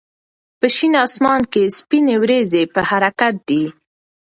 په شین اسمان کې سپینې وريځې په حرکت دي.